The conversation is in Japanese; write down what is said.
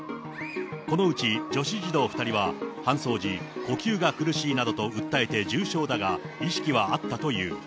このうち女子児童２人は搬送時、呼吸が苦しいなどと訴えて重症だが、意識はあったという。